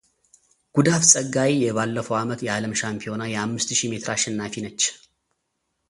ጉዳፍ ፀጋይ የባለፈው ዓመት የዓለም ሻምፒዮና የአምስት ሺህ ሜትር አሸናፊ ነች።